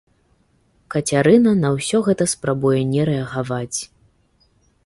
Кацярына на ўсё гэта спрабуе не рэагаваць.